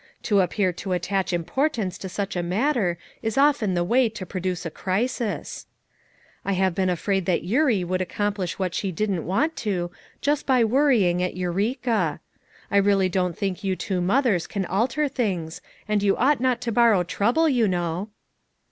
To appear to attach importance to such a mat ter is often the way to produce a crisis. I have 166 FOUR MOTHERS AT CHAUTAUQUA been afraid that Eurie would accomplish what she doesn't want to, just by worrying at Eu reka. I really don't think you two mothers can alter things, and you ought not to borrow trouble, you know."